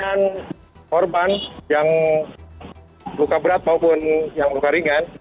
dengan korban yang luka berat maupun yang luka ringan